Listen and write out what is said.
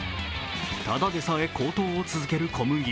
ただでさえ高騰を続ける小麦。